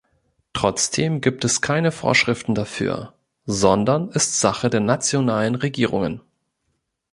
Trotzdem gibt es keine Vorschriften dafür, sondern ist Sache der nationalen Regierungen.